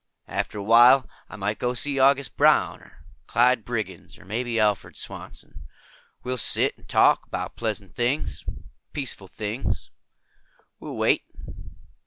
After a while I might go see August Brown or Clyde Briggs or maybe Alfred Swanson. We'll sit and talk, about pleasant things, peaceful things. We'll wait."